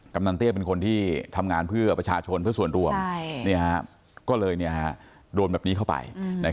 กำนันเตี้ยเป็นคนที่ทำงานเพื่อประชาชนเพื่อส่วนรวมก็เลยโดนแบบนี้เข้าไป